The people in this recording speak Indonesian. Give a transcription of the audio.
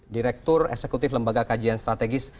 direktur eksekutif lembaga kajian strategis